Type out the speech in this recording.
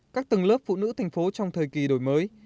các tầng lớp phụ nữ thành phố trong thời kỳ đổi mới